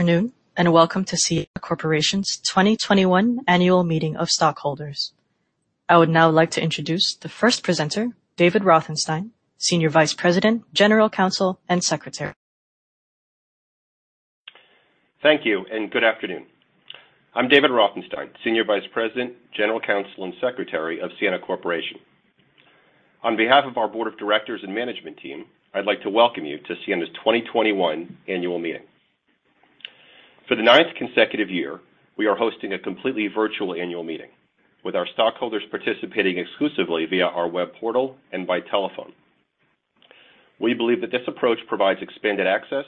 Afternoon, and welcome to Ciena Corporation's 2021 Annual Meeting of Stockholders. I would now like to introduce the first presenter, David Rothenstein, Senior Vice President, General Counsel, and Secretary. Thank you, and good afternoon. I'm David Rothenstein, Senior Vice President, General Counsel, and Secretary of Ciena Corporation. On behalf of our Board of Directors and Management Team, I'd like to welcome you to Ciena's 2021 Annual Meeting. For the ninth consecutive year, we are hosting a completely virtual annual meeting, with our stockholders participating exclusively via our web portal and by telephone. We believe that this approach provides expanded access,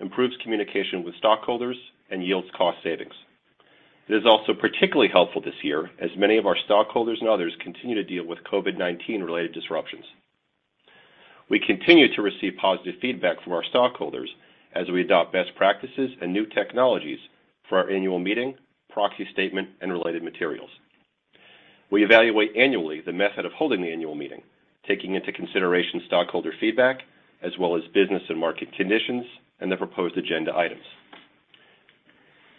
improves communication with stockholders, and yields cost savings. It is also particularly helpful this year, as many of our stockholders and others continue to deal with COVID-19-related disruptions. We continue to receive positive feedback from our stockholders as we adopt best practices and new technologies for our annual meeting, proxy statement, and related materials. We evaluate annually the method of holding the annual meeting, taking into consideration stockholder feedback, as well as business and market conditions, and the proposed agenda items.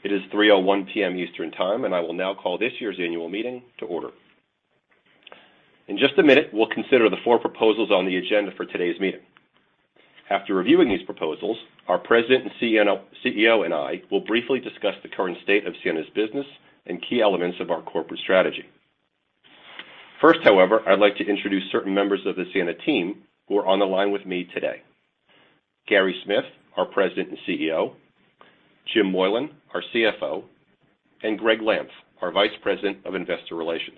It is 3:01 P.M. Eastern Time, and I will now call this year's annual meeting to order. In just a minute, we'll consider the four proposals on the agenda for today's meeting. After reviewing these proposals, our President and CEO and I will briefly discuss the current state of Ciena's business and key elements of our corporate strategy. First, however, I'd like to introduce certain members of the Ciena team who are on the line with me today: Gary Smith, our President and CEO; James Moylan, our CFO; and Gregg Lampf, our Vice President of Investor Relations.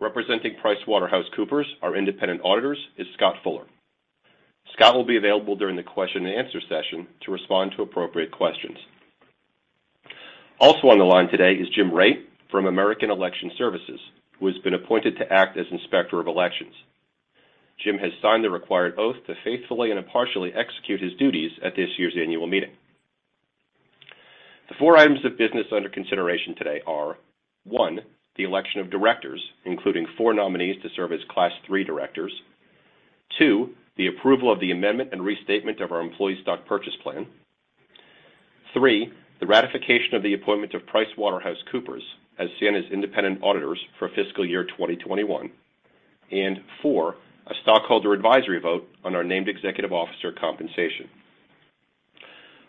Representing PricewaterhouseCoopers, our independent auditors, is Scott Fuller. Scott will be available during the question-and-answer session to respond to appropriate questions. Also on the line today is Jim Raitt from American Election Services, who has been appointed to act as Inspector of Elections. Jim has signed the required oath to faithfully and impartially execute his duties at this year's annual meeting. The four items of business under consideration today are: one, the election of directors, including four nominees to serve as Class III directors, two, the approval of the amendment and restatement of our employee stock purchase plan, three, the ratification of the appointment of PricewaterhouseCoopers as Ciena's independent auditors for fiscal year 2021, and four, a stockholder advisory vote on our named executive officer compensation.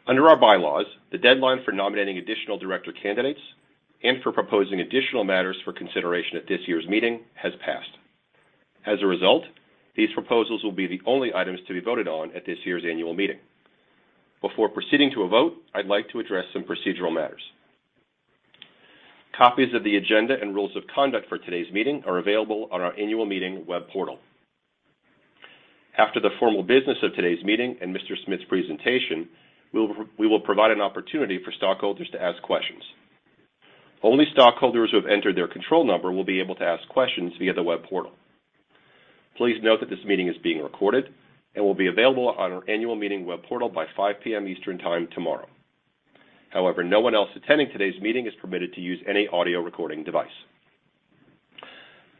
Under our bylaws, the deadline for nominating additional director candidates and for proposing additional matters for consideration at this year's meeting has passed. As a result, these proposals will be the only items to be voted on at this year's annual meeting. Before proceeding to a vote, I'd like to address some procedural matters. Copies of the agenda and rules of conduct for today's meeting are available on our annual meeting web portal. After the formal business of today's meeting and Mr. Smith's presentation, we will provide an opportunity for stockholders to ask questions. Only stockholders who have entered their control number will be able to ask questions via the web portal. Please note that this meeting is being recorded and will be available on our annual meeting web portal by 5:00 P.M. Eastern Time tomorrow. However, no one else attending today's meeting is permitted to use any audio recording device.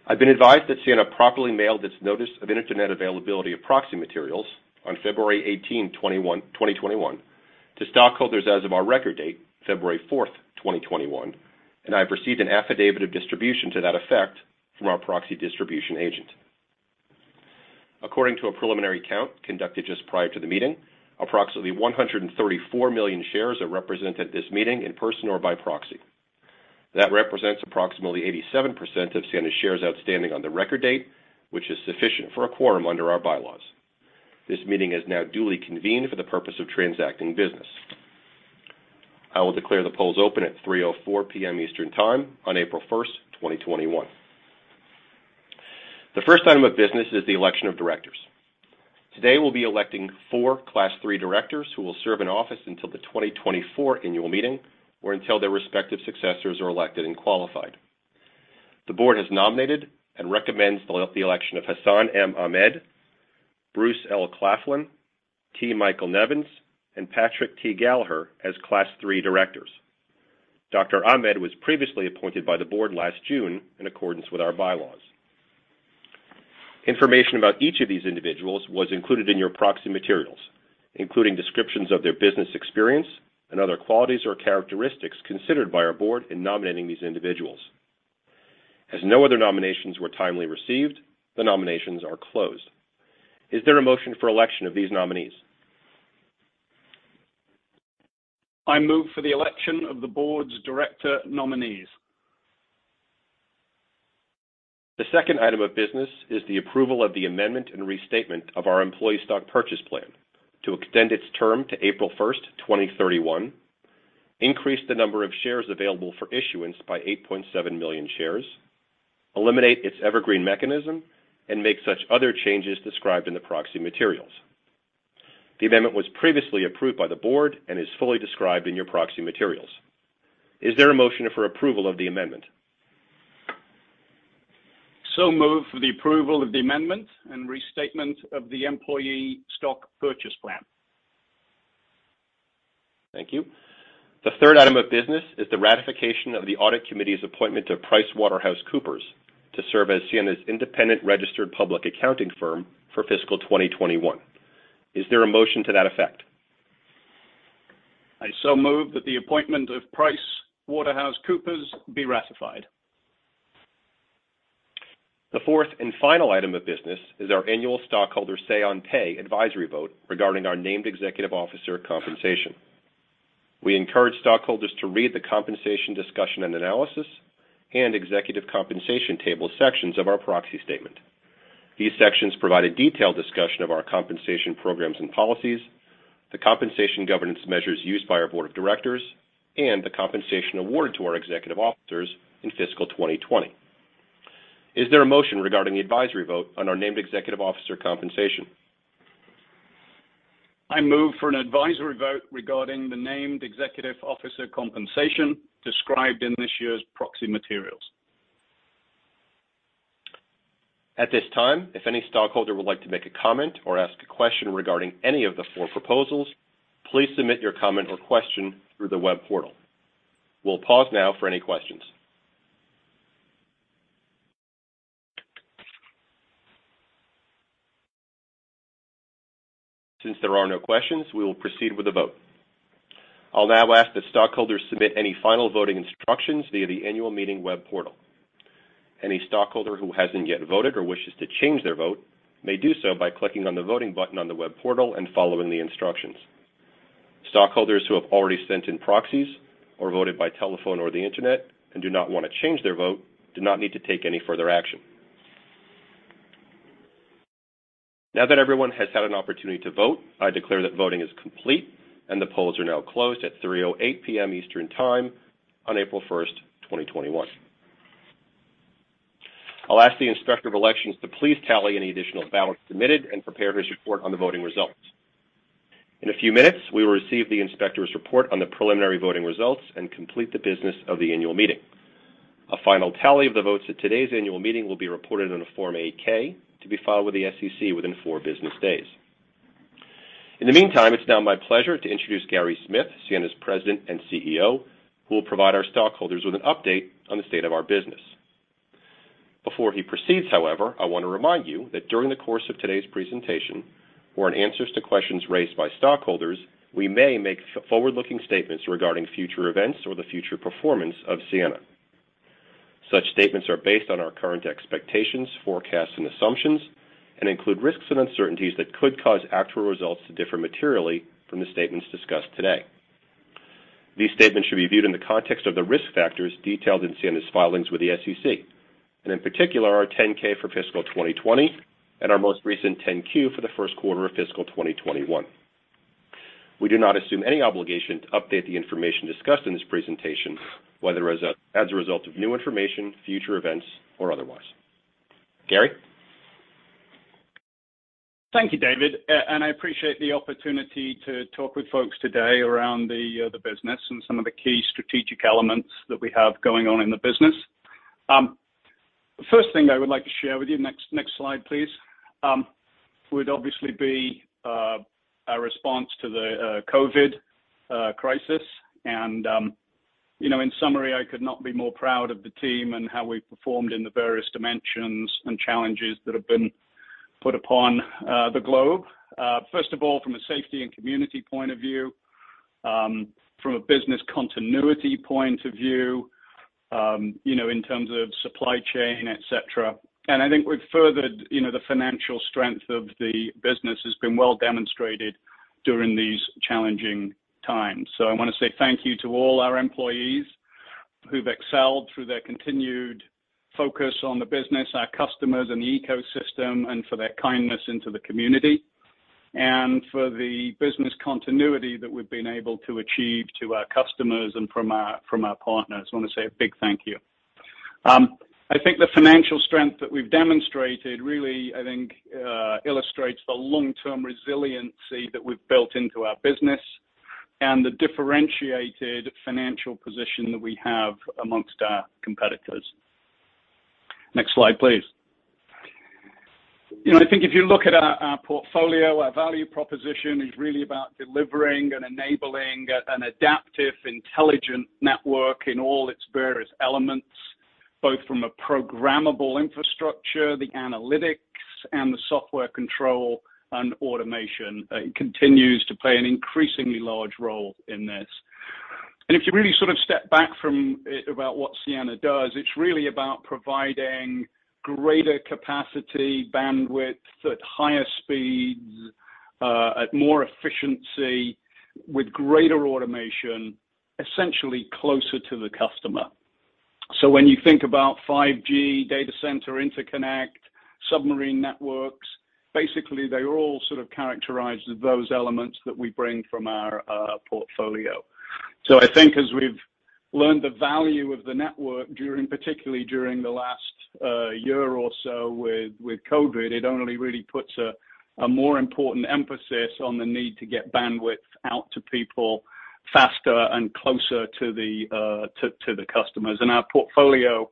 I've been advised that Ciena properly mailed its Notice of Internet Availability of Proxy Materials on February 18th, 2021, to stockholders as of our record date, February 4th, 2021, and I've received an affidavit of distribution to that effect from our proxy distribution agent. According to a preliminary count conducted just prior to the meeting, approximately 134 million shares are represented at this meeting in person or by proxy. That represents approximately 87% of Ciena's shares outstanding on the record date, which is sufficient for a quorum under our bylaws. This meeting is now duly convened for the purpose of transacting business. I will declare the polls open at 3:04 P.M. Eastern Time on April 1st, 2021. The first item of business is the election of directors. Today, we'll be electing four Class III directors who will serve in office until the 2024 annual meeting or until their respective successors are elected and qualified. The board has nominated and recommends the election of Hassan M. Ahmed, Bruce L. Claflin, T. Michael Nevins, and Patrick T. Gallagher as Class III directors. Dr. Ahmed was previously appointed by the board last June in accordance with our bylaws. Information about each of these individuals was included in your proxy materials, including descriptions of their business experience and other qualities or characteristics considered by our board in nominating these individuals. As no other nominations were timely received, the nominations are closed. Is there a motion for election of these nominees? I move for the election of the board's director nominees. The second item of business is the approval of the amendment and restatement of our employee stock purchase plan to extend its term to April 1st, 2031, increase the number of shares available for issuance by 8.7 million shares, eliminate its evergreen mechanism, and make such other changes described in the proxy materials. The amendment was previously approved by the board and is fully described in your proxy materials. Is there a motion for approval of the amendment? Move for the approval of the amendment and restatement of the employee stock purchase plan. Thank you. The third item of business is the ratification of the audit committee's appointment of PricewaterhouseCoopers to serve as Ciena's independent registered public accounting firm for fiscal 2021. Is there a motion to that effect? I so move that the appointment of PricewaterhouseCoopers be ratified. The fourth and final item of business is our annual stockholder say-on-pay advisory vote regarding our named executive officer compensation. We encourage stockholders to read the compensation discussion and analysis and executive compensation table sections of our proxy statement. These sections provide a detailed discussion of our compensation programs and policies, the compensation governance measures used by our board of directors, and the compensation awarded to our executive officers in fiscal 2020. Is there a motion regarding the advisory vote on our named executive officer compensation? I move for an advisory vote regarding the Named Executive Officer compensation described in this year's proxy materials. At this time, if any stockholder would like to make a comment or ask a question regarding any of the four proposals, please submit your comment or question through the web portal. We'll pause now for any questions. Since there are no questions, we will proceed with the vote. I'll now ask that stockholders submit any final voting instructions via the annual meeting web portal. Any stockholder who hasn't yet voted or wishes to change their vote may do so by clicking on the voting button on the web portal and following the instructions. Stockholders who have already sent in proxies or voted by telephone or the internet and do not want to change their vote do not need to take any further action. Now that everyone has had an opportunity to vote, I declare that voting is complete and the polls are now closed at 3:08 P.M. Eastern Time on April 1st, 2021. I'll ask the Inspector of Elections to please tally any additional ballots submitted and prepare his report on the voting results. In a few minutes, we will receive the inspector's report on the preliminary voting results and complete the business of the annual meeting. A final tally of the votes at today's annual meeting will be reported in a Form 8-K to be filed with the SEC within four business days. In the meantime, it's now my pleasure to introduce Gary Smith, Ciena's President and CEO, who will provide our stockholders with an update on the state of our business. Before he proceeds, however, I want to remind you that during the course of today's presentation or in answers to questions raised by stockholders, we may make forward-looking statements regarding future events or the future performance of Ciena. Such statements are based on our current expectations, forecasts, and assumptions, and include risks and uncertainties that could cause actual results to differ materially from the statements discussed today. These statements should be viewed in the context of the risk factors detailed in Ciena's filings with the SEC, and in particular, our 10-K for fiscal 2020 and our most recent 10-Q for the first quarter of fiscal 2021. We do not assume any obligation to update the information discussed in this presentation, whether as a result of new information, future events, or otherwise. Gary? Thank you, David, and I appreciate the opportunity to talk with folks today around the business and some of the key strategic elements that we have going on in the business. First thing I would like to share with you, next slide, please, would obviously be our response to the COVID crisis, and in summary, I could not be more proud of the team and how we've performed in the various dimensions and challenges that have been put upon the globe. First of all, from a safety and community point of view, from a business continuity point of view, in terms of supply chain, et cetera, and I think we've furthered the financial strength of the business. It's been well demonstrated during these challenging times. So I want to say thank you to all our employees who've excelled through their continued focus on the business, our customers, and the ecosystem, and for their kindness into the community, and for the business continuity that we've been able to achieve to our customers and from our partners. I want to say a big thank you. I think the financial strength that we've demonstrated really, I think, illustrates the long-term resiliency that we've built into our business and the differentiated financial position that we have among our competitors. Next slide, please. I think if you look at our portfolio, our value proposition is really about delivering and enabling an adaptive, intelligent network in all its various elements, both from a programmable infrastructure, the analytics, and the software control and automation. It continues to play an increasingly large role in this. And if you really sort of step back from about what Ciena does, it's really about providing greater capacity, bandwidth, at higher speeds, at more efficiency, with greater automation, essentially closer to the customer. So when you think about 5G, data center, interconnect, submarine networks, basically, they are all sort of characterized as those elements that we bring from our portfolio. So I think as we've learned the value of the network, particularly during the last year or so with COVID, it only really puts a more important emphasis on the need to get bandwidth out to people faster and closer to the customers. And our portfolio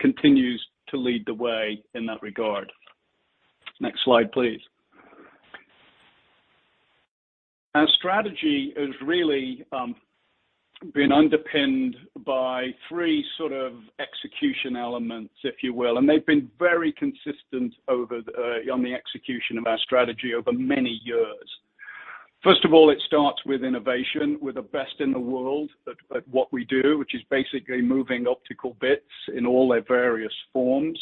continues to lead the way in that regard. Next slide, please. Our strategy has really been underpinned by three sort of execution elements, if you will, and they've been very consistent on the execution of our strategy over many years. First of all, it starts with innovation, with the best in the world at what we do, which is basically moving optical bits in all their various forms,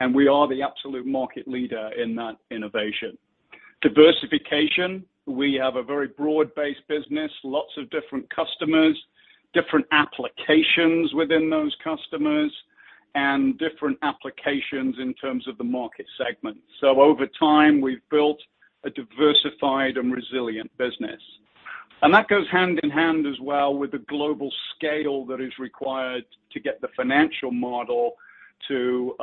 and we are the absolute market leader in that innovation. Diversification, we have a very broad-based business, lots of different customers, different applications within those customers, and different applications in terms of the market segment. So over time, we've built a diversified and resilient business. And that goes hand in hand as well with the global scale that is required to get the financial model to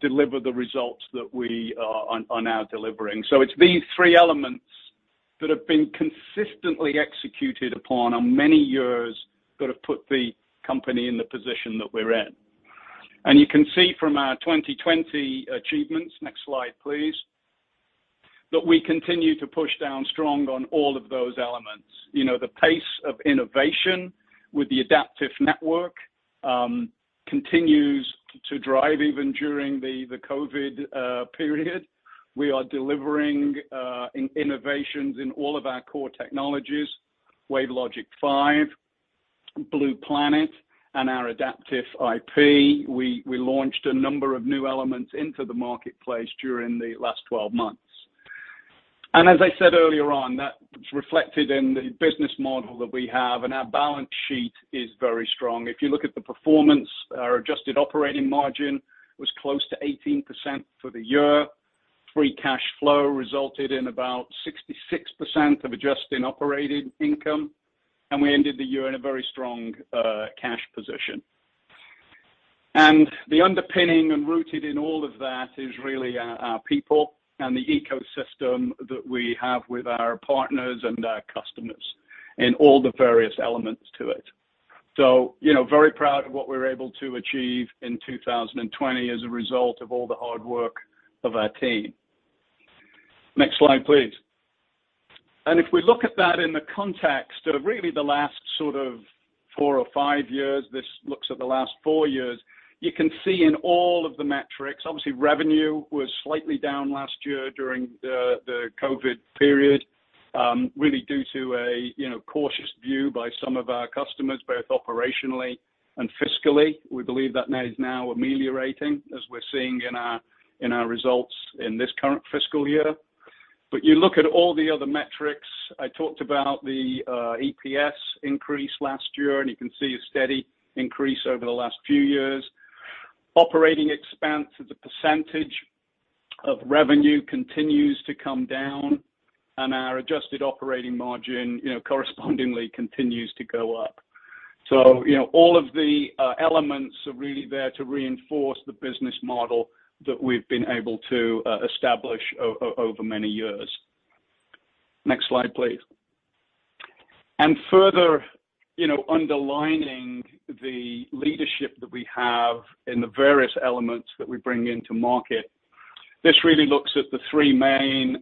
deliver the results that we are now delivering. So it's these three elements that have been consistently executed upon on many years that have put the company in the position that we're in. And you can see from our 2020 achievements, next slide, please, that we continue to push down strong on all of those elements. The pace of innovation with the adaptive network continues to drive even during the COVID period. We are delivering innovations in all of our core technologies: WaveLogic 5, Blue Planet, and our Adaptive IP. We launched a number of new elements into the marketplace during the last 12 months, and as I said earlier on, that's reflected in the business model that we have, and our balance sheet is very strong. If you look at the performance, our adjusted operating margin was close to 18% for the year. Free cash flow resulted in about 66% of adjusting operating income, and we ended the year in a very strong cash position, and the underpinning and rooted in all of that is really our people and the ecosystem that we have with our partners and our customers and all the various elements to it. So very proud of what we were able to achieve in 2020 as a result of all the hard work of our team. Next slide, please, and if we look at that in the context of really the last sort of four or five years, this looks at the last four years, you can see in all of the metrics, obviously, revenue was slightly down last year during the COVID period, really due to a cautious view by some of our customers, both operationally and fiscally. We believe that is now ameliorating, as we're seeing in our results in this current fiscal year, but you look at all the other metrics, I talked about the EPS increase last year, and you can see a steady increase over the last few years. Operating expense as a percentage of revenue continues to come down, and our adjusted operating margin correspondingly continues to go up. All of the elements are really there to reinforce the business model that we've been able to establish over many years. Next slide, please. Further underlining the leadership that we have in the various elements that we bring into market, this really looks at the three main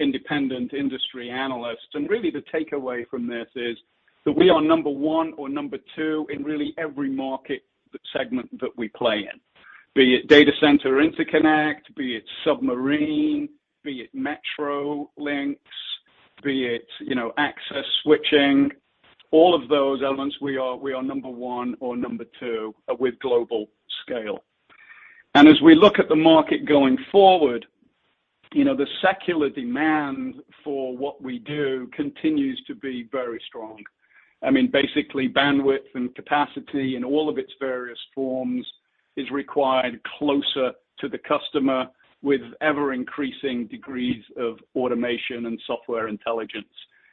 independent industry analysts. Really, the takeaway from this is that we are number one or number two in really every market segment that we play in, be it data center interconnect, be it submarine, be it metro links, be it access switching. All of those elements, we are number one or number two with global scale. As we look at the market going forward, the secular demand for what we do continues to be very strong. I mean, basically, bandwidth and capacity in all of its various forms is required closer to the customer with ever-increasing degrees of automation and software intelligence,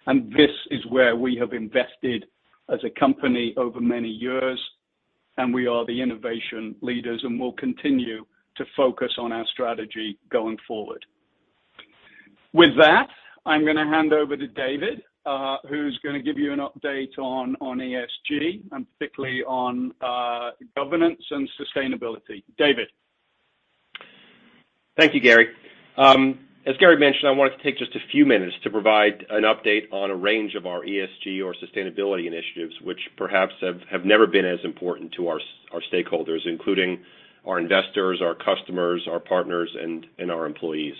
and this is where we have invested as a company over many years, and we are the innovation leaders and will continue to focus on our strategy going forward. With that, I'm going to hand over to David, who's going to give you an update on ESG and particularly on governance and sustainability. David. Thank you, Gary. As Gary mentioned, I wanted to take just a few minutes to provide an update on a range of our ESG or sustainability initiatives, which perhaps have never been as important to our stakeholders, including our investors, our customers, our partners, and our employees.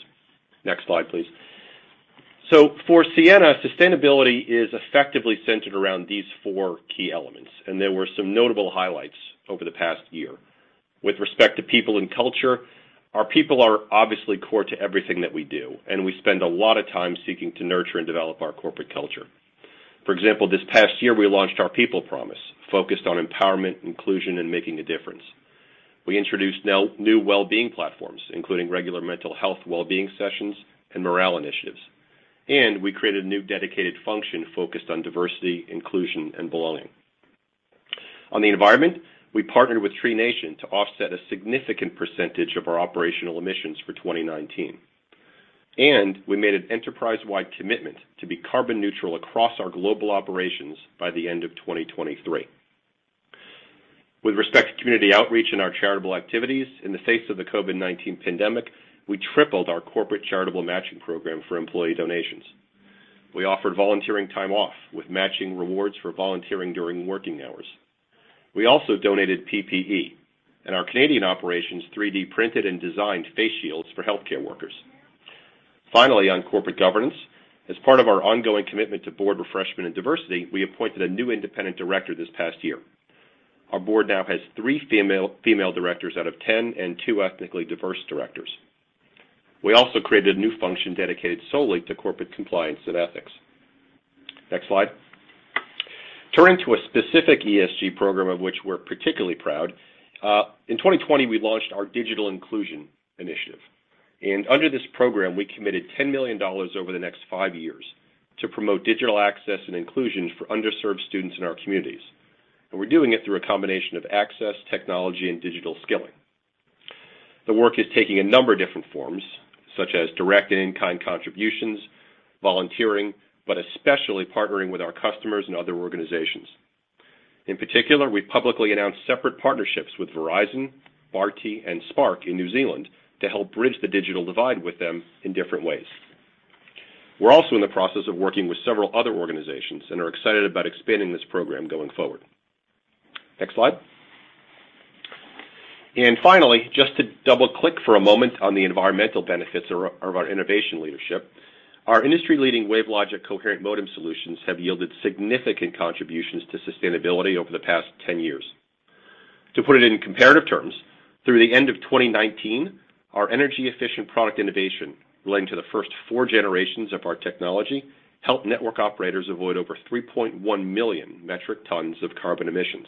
Next slide, please, so for Ciena, sustainability is effectively centered around these four key elements, and there were some notable highlights over the past year. With respect to people and culture, our people are obviously core to everything that we do, and we spend a lot of time seeking to nurture and develop our corporate culture. For example, this past year, we launched our People Promise, focused on empowerment, inclusion, and making a difference. We introduced new well-being platforms, including regular mental health well-being sessions and morale initiatives, and we created a new dedicated function focused on diversity, inclusion, and belonging. On the environment, we partnered with Tree-Nation to offset a significant percentage of our operational emissions for 2019, and we made an enterprise-wide commitment to be carbon neutral across our global operations by the end of 2023. With respect to community outreach and our charitable activities, in the face of the COVID-19 pandemic, we tripled our corporate charitable matching program for employee donations. We offered volunteering time off with matching rewards for volunteering during working hours. We also donated PPE, and our Canadian operations 3D printed and designed face shields for healthcare workers. Finally, on corporate governance, as part of our ongoing commitment to board refreshment and diversity, we appointed a new independent director this past year. Our board now has three female directors out of 10 and two ethnically diverse directors. We also created a new function dedicated solely to corporate compliance and ethics. Next slide. Turning to a specific ESG program of which we're particularly proud, in 2020, we launched our Digital Inclusion Initiative, and under this program, we committed $10 million over the next five years to promote digital access and inclusion for underserved students in our communities, and we're doing it through a combination of access, technology, and digital skilling. The work is taking a number of different forms, such as direct and in-kind contributions, volunteering, but especially partnering with our customers and other organizations. In particular, we publicly announced separate partnerships with Verizon, Bharti, and Spark in New Zealand to help bridge the digital divide with them in different ways. We're also in the process of working with several other organizations and are excited about expanding this program going forward. Next slide. Finally, just to double-click for a moment on the environmental benefits of our innovation leadership, our industry-leading WaveLogic coherent modem solutions have yielded significant contributions to sustainability over the past 10 years. To put it in comparative terms, through the end of 2019, our energy-efficient product innovation led to the first four generations of our technology helped network operators avoid over 3.1 million metric tons of carbon emissions.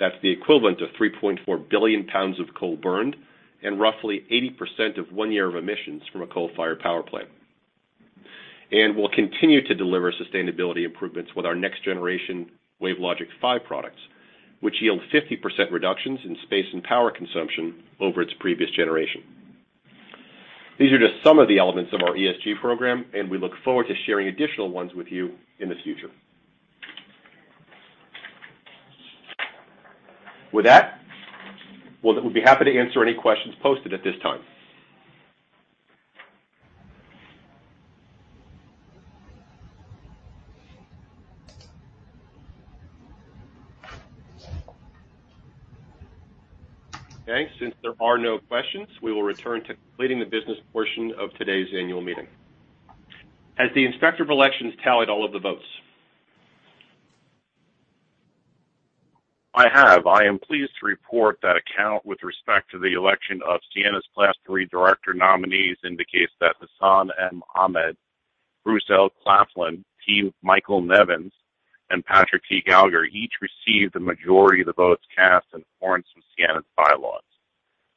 That's the equivalent of 3.4 billion lbs of coal burned and roughly 80% of one year of emissions from a coal-fired power plant. We'll continue to deliver sustainability improvements with our next-generation WaveLogic 5 products, which yield 50% reductions in space and power consumption over its previous generation. These are just some of the elements of our ESG program, and we look forward to sharing additional ones with you in the future. With that, we'd be happy to answer any questions posted at this time. Okay. Since there are no questions, we will return to completing the business portion of today's annual meeting. Has the Inspector of Elections tallied all of the votes? I have. I am pleased to report that the count with respect to the election of Ciena's Class III director nominees indicates that Hassan M. Ahmed, Bruce L. Claflin, T. Michael Nevins, and Patrick T. Gallagher each received the majority of the votes cast in accordance with Ciena's bylaws.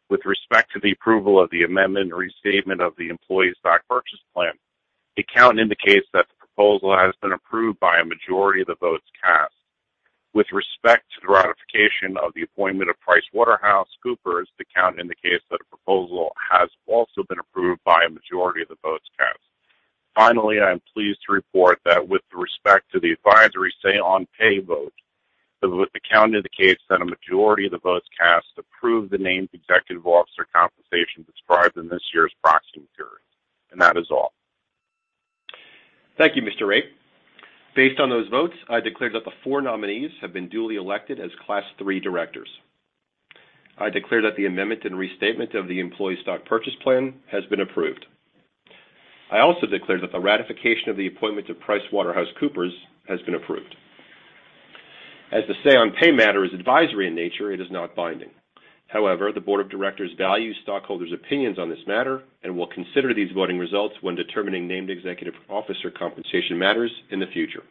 With respect to the approval of the amendment and restatement of the employees' stock purchase plan, the count indicates that the proposal has been approved by a majority of the votes cast. With respect to the ratification of the appointment of PricewaterhouseCoopers, the count indicates that the proposal has also been approved by a majority of the votes cast. Finally, I am pleased to report that with respect to the advisory say-on-pay vote, the count indicates that a majority of the votes cast approve the named executive officer compensation described in this year's proxy material, and that is all. Thank you, Mr. Ray. Based on those votes, I declare that the four nominees have been duly elected as Class III directors. I declare that the amendment and restatement of the employee stock purchase plan has been approved. I also declare that the ratification of the appointment of PricewaterhouseCoopers has been approved. As the say-on-pay matter is advisory in nature, it is not binding. However, the board of directors values stockholders' opinions on this matter and will consider these voting results when determining named executive officer compensation matters in the future.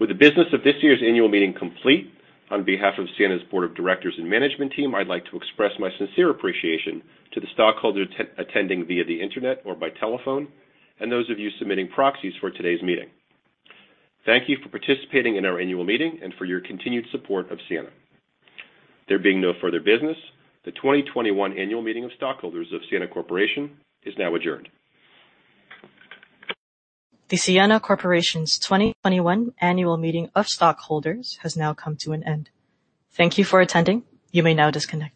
With the business of this year's annual meeting complete, on behalf of Ciena's board of directors and management team, I'd like to express my sincere appreciation to the stockholders attending via the internet or by telephone and those of you submitting proxies for today's meeting. Thank you for participating in our annual meeting and for your continued support of Ciena. There being no further business, the 2021 Annual Meeting of Stockholders of Ciena Corporation is now adjourned. The Ciena Corporation's 2021 Annual Meeting of Stockholders has now come to an end. Thank you for attending. You may now disconnect.